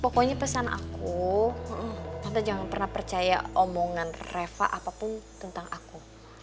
pokoknya pesan aku atau jangan pernah percaya omongan reva apapun tentang aku